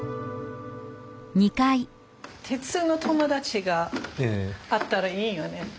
鉄の友達があったらいいよね。